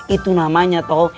itu namanya toh